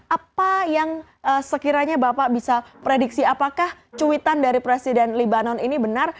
apa yang sekiranya bapak bisa prediksi apakah cuitan dari presiden libanon ini benar